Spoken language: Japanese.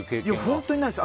本当にないです。